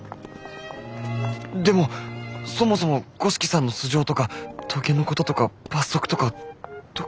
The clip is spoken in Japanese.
でもそもそも五色さんの素性とか棘のこととか罰則とかどこまで。